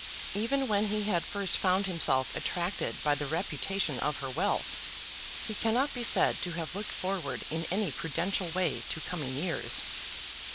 Even when he had first found himself attracted by the reputation of her wealth, he cannot be said to have looked forward in any prudential way to coming years.